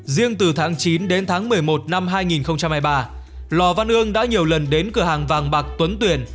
riêng từ tháng chín đến tháng một mươi một năm hai nghìn hai mươi ba lò văn ương đã nhiều lần đến cửa hàng vàng bạc tuấn tuyền